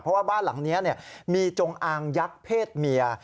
เพราะว่าบ้านหลังนี้มีจงอางยักษ์เพศเมีย